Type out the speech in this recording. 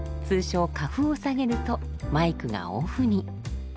通称カフを下げるとマイクがオフに。